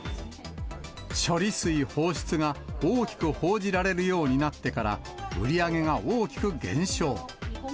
処理水放出が大きく報じられるようになってから、売り上げが大きく減少。